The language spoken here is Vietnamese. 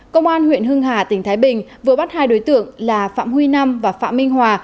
công an huyện hưng hà tỉnh thái bình vừa bắt hai đối tượng là phạm huy nam và phạm minh hòa